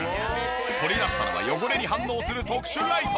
取り出したのは汚れに反応する特殊ライト。